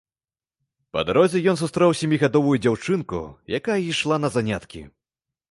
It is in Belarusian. Па дарозе ён сустрэў сямігадовую дзяўчынку, якая ішла на заняткі.